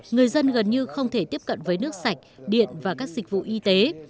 người dân gần như không thể tiếp cận với nước hồi giáo is